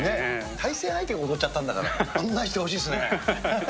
対戦相手が踊っちゃったんだから、案内してほしいですね。